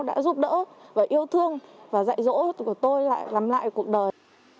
đã giúp đỡ và yêu thương và dạy dỗ của tôi lại làm lại cuộc đời